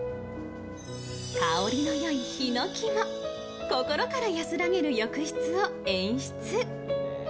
香りのよいヒノキも、心から安らげる浴室を演出。